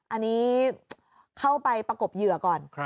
อันนี้เข้าไปประกบเหยื่อก่อน